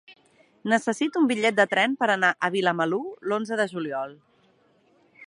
Necessito un bitllet de tren per anar a Vilamalur l'onze de juliol.